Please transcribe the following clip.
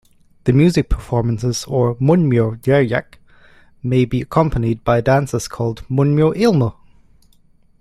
The music performances or "munmyo jeryeak" may be accompanied by dances called "munmyo ilmu".